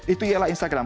itu ialah instagram